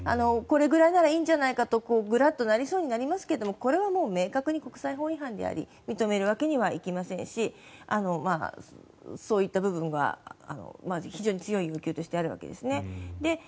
これくらいならいいんじゃないかとグラッとなりそうになりますがこれはもう明確に国際法違反であり認めるわけにはいきませんしそういった部分は非常に強い要求としてあるわけです。